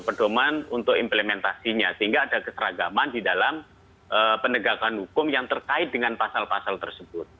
pedoman untuk implementasinya sehingga ada keseragaman di dalam penegakan hukum yang terkait dengan pasal pasal tersebut